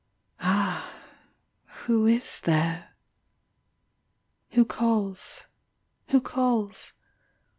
... Ah, who is there? Who calls? Who calls?